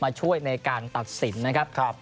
ช่วยในการตัดสินนะครับ